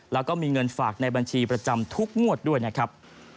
แล้วก็มีเงินฝากในบัญชีประจำทุกงวดด้วยนะครับ